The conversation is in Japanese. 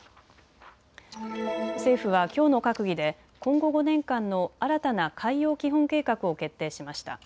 政府はきょうの閣議で今後５年間の新たな海洋基本計画を決定しました。